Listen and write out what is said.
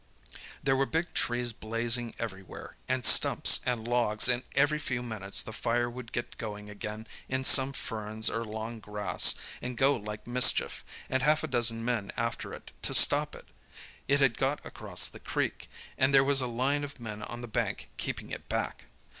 "There were big trees blazing everywhere, and stumps and logs, and every few minutes the fire would get going again in some ferns or long grass, and go like mischief, and half a dozen men after it, to stop it. It had got across the creek, and there was a line of men on the bank keeping it back.